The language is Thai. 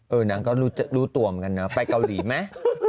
นางก็รู้ตัวเหมือนกันนะไปเกาหลีไหม